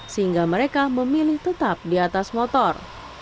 sehingga mereka memilih tetap di atas motor